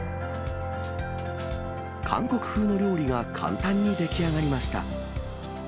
韓国風の料理が簡単に出来上がりました。